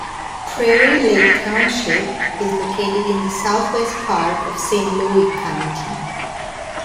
Prairie Lake Township is located in the southwest part of Saint Louis County.